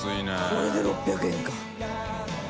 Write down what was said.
これで６００円か。